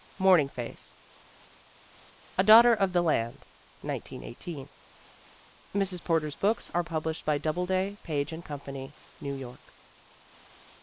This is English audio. Morning Face. A Daughter of the Land, 1918. Mrs. Porter's books are published by Doubleday, Page & Company, New York.